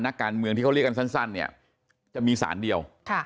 นักการเมืองที่เขาเรียกกันสั้นเนี่ยจะมีสารเดียว